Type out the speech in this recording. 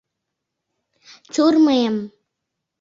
— Чур мыйым!